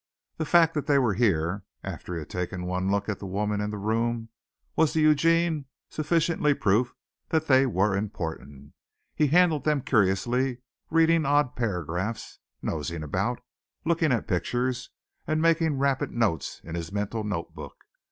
The fact that they were here, after he had taken one look at the woman and the room, was to Eugene sufficient proof that they were important. He handled them curiously, reading odd paragraphs, nosing about, looking at pictures, and making rapid notes in his mental notebook.